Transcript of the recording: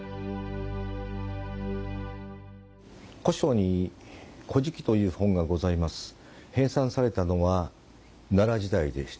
古書に古事記という本がございます。